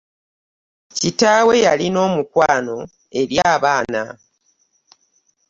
Kitaawe yalina omukwano eri abaana.